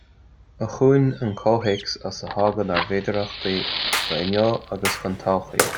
A chúin an cothéacs as a thagann ár bhféidireachtaí d’inniu agus don todhchaí